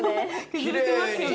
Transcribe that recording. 削れてますよね。